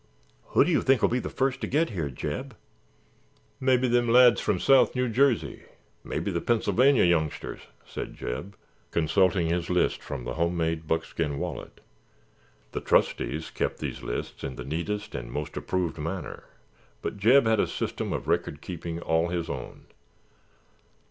"Who do you think will be the first to get here, Jeb?" "Mebbe them lads from South New Jersey, mebbe the Pennsylvany youngsters," said Jeb, consulting his list from the home made buckskin wallet. The trustees kept these lists in the neatest and most approved manner, but Jeb had a system of record keeping all his own.